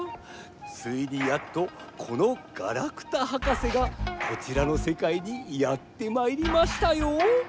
ついにやっとこのガラクタ博士がこちらのせかいにやってまいりましたよ！